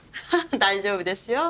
大丈夫ですよ。